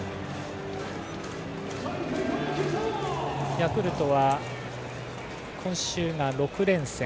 ヤクルトは今週が６連戦。